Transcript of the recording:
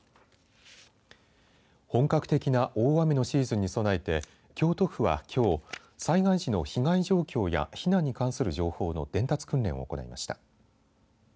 本格的な大雨のシーズンに備えて京都府はきょう災害時の被害状況や避難に関する情報の伝達訓練を行いました。